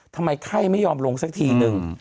ทำไมไข้ไม่ยอมลงสักทีนึง